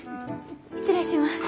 失礼します。